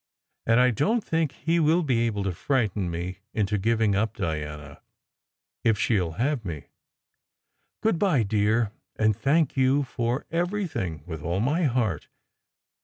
"And I don t think he will be able to frighten me into giving up Diana if she ll have me. Good bye, dear, and thank you for everything, with all my heart.